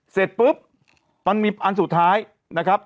เสร็จปุ๊บมันมีอันสุดท้ายนะครับ